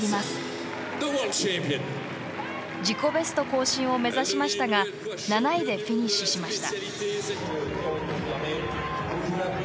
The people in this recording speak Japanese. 自己ベスト更新を目指しましたが７位でフィニッシュしました。